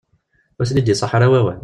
Ur ten-id-iṣaḥ ara wawal.